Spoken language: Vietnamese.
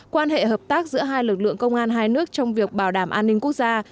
quan hệ hợp tác giữa hai lực lượng công an hai nước trong việc bảo đảm an ninh quốc gia